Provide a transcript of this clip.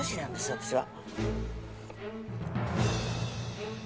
私は。